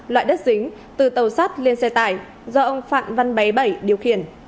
loại đất dính từ tàu sắt lên xe tải do ông phạm văn bé bảy điều khiển